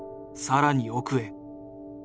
更に奥へ。